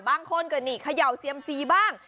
บางคนก็นี่เขย่าเซียมซีบ้าง